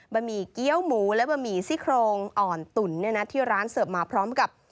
หมี่เกี้ยวหมูและบะหมี่ซี่โครงอ่อนตุ๋นเนี่ยนะที่ร้านเสิร์ฟมาพร้อมกับ